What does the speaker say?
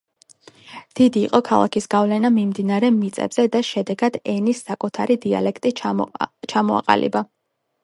დიდი იყო ქალაქის გავლენა მიმდებარე მიწებზე და შედეგად, ენის საკუთარი დიალექტი ჩამოაყალიბა.